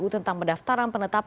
selamat sore mbak